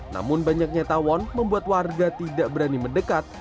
namun banyaknya tawon membuat warga tidak berani mendekat